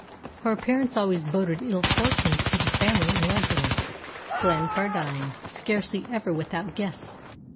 Her appearance always boded ill fortune to the family in residence. Glencardine was scarcely ever without guests.